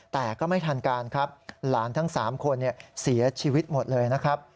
แต่ก็ไม่ทันการครับหลานทั้ง๓คนเสียชีวิตหมดเลยนะครับ